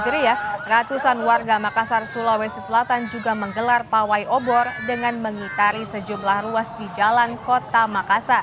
ceria ratusan warga makassar sulawesi selatan juga menggelar pawai obor dengan mengitari sejumlah ruas di jalan kota makassar